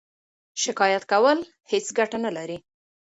شکایت کول هیڅ ګټه نلري.